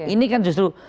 ini kan justru